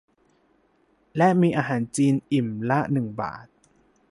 และมีอาหารจีนอิ่มละหนึ่งบาท